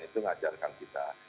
itu mengajarkan kita